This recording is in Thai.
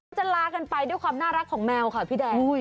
จะลากันไปด้วยความน่ารักของแมวค่ะพี่แดง